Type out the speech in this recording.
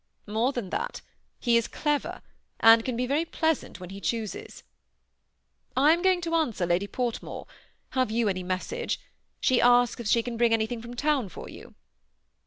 " More than that, he is clever, and can be very pleas ant when he chooses. I am going to answer Lady Portmore ! Have you any message ? She asks if she can bring anything from town for you